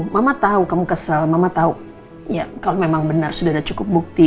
mama tau kamu kesel mama tau kalau memang benar sudah ada cukup bukti